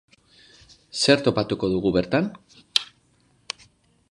Zer topatuko dugu bertan?